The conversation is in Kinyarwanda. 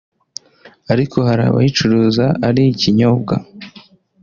ariko hari abayicuruza ari ikinyobwa